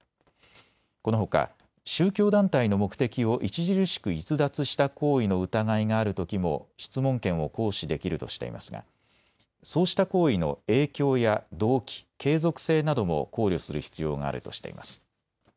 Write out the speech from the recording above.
このほか宗教団体の目的を著しく逸脱した行為の疑いがあるときも質問権を行使できるとしていますがそうした行為の影響や動機、継続性なども考慮する必要があるとしています。